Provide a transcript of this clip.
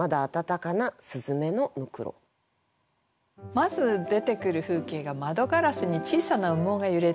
まず出てくる風景が「窓ガラスに小さな羽毛がゆれている」。